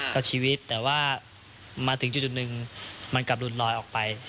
กับชีวิตแต่ว่ามาถึงจุดหนึ่งมันกลับหลุดลอยออกไป